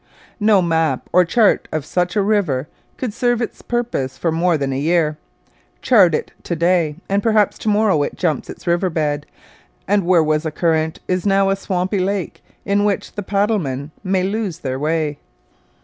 No map or chart of such a river could serve its purpose for more than a year. Chart it to day, and perhaps to morrow it jumps its river bed; and where was a current is now a swampy lake in which the paddlemen may lose their way.